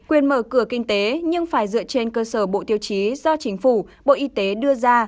quyền mở cửa kinh tế nhưng phải dựa trên cơ sở bộ tiêu chí do chính phủ bộ y tế đưa ra